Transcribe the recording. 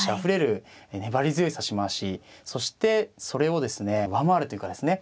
粘り強い指し回しそしてそれをですね上回るというかですね